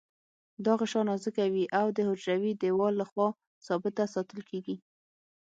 دا غشا نازکه وي او د حجروي دیوال له خوا ثابته ساتل کیږي.